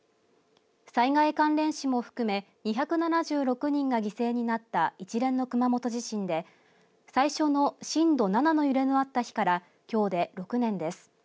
災害関連死も含め２７６人が犠牲になった一連の熊本地震で最初の震度７の揺れのあった日からきょうで６年です。